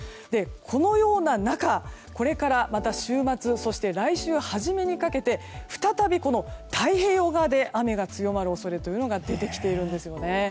このような中、これからまた週末、来週初めにかけて再び太平洋側で雨が強まる恐れが出てきているんですね。